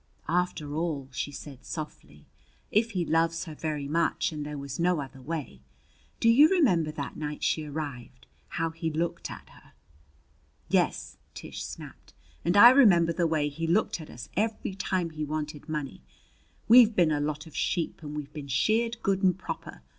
"After all," she said softly, "if he loves her very much, and there was no other way Do you remember that night she arrived how he looked at her?" "Yes," Tish snapped. "And I remember the way he looked at us every time he wanted money. We've been a lot of sheep and we've been sheared good and proper!